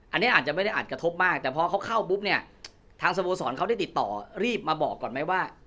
อันนี้อาจจะไม่ได้อาจกระทบมากแต่พอเขาเข้าปุ๊บเนี่ยทางสโมสรเขาได้ติดต่อรีบมาบอกก่อนไหมว่า